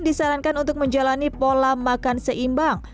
disarankan untuk menjalani pola makan seimbang